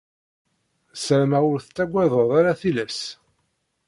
Ssarameɣ ur tettagaded ara tillas.